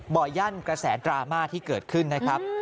บ่อยั่นกระแสดราม่าที่เกิดขึ้นนะครับ